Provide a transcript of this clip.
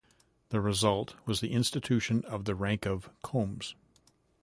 The result was the institution of the rank of "Comes".